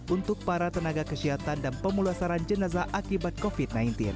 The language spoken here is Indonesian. untuk para tenaga kesehatan dan pemulasaran jenazah akibat covid sembilan belas